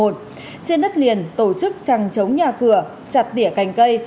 trên đất liền tổ chức trăng chống nhà cửa chặt tỉa cành cây